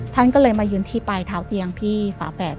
ท่านก็เลยมายืนที่ปลายเท้าเจียงที่ฝาแฝด